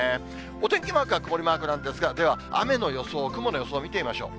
お天気マークは曇りマークなんですが、では、雨の予想、雲の予想を見てみましょう。